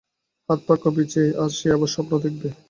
হাত-পা কপিছে আজ সে আবার স্বপ্ন দেখবে।